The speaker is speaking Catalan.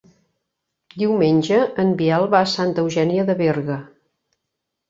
Diumenge en Biel va a Santa Eugènia de Berga.